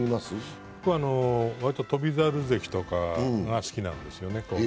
わりと翔猿関とかが好きなんですね。